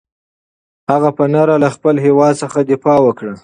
هغه په نره له خپل هېواد څخه دفاع وکړه.